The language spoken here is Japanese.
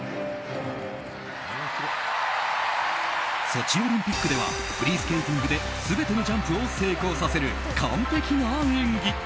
ソチオリンピックではフリースケーティングで全てのジャンプを成功させる完璧な演技。